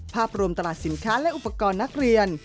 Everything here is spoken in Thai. ภาพรวมตลาดสินค้าและอุปกรณ์นักเรียน